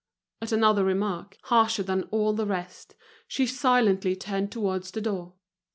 At another remark, harsher than all the rest, she silently turned towards the door.